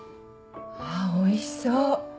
あっおいしそう。